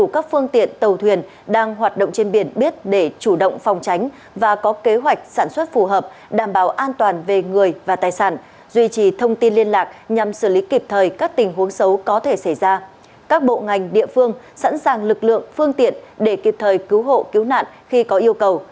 các bộ ngành địa phương sẵn sàng lực lượng phương tiện để kịp thời cứu hộ cứu nạn khi có yêu cầu